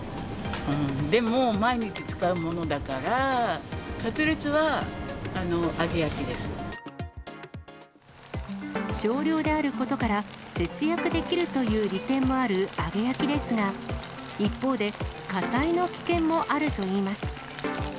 でも、毎日使うものだから、少量であることから、節約できるという利点もある揚げ焼きですが、一方で火災の危険もあるといいます。